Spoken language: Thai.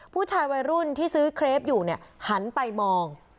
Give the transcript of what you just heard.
ผู้ชายวัยรุ่นที่ซื้อเครปอยู่เนี่ยหันไปมอง